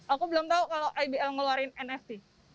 aku belum tahu kalau ibl ngeluarin nft